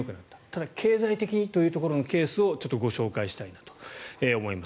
ただ、経済的にというところのケースをご紹介したいと思います。